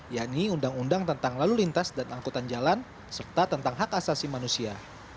yakni undang undang tentang lalu lintas dan angkutan jalan serta tentang hak asasi manusia